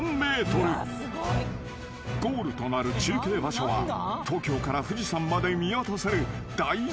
［ゴールとなる中継場所は東京から富士山まで見渡せる大絶景ポイント］